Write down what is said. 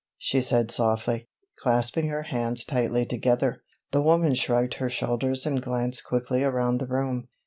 she said softly, clasping her hands tightly together. The woman shrugged her shoulders and glanced quickly around the room.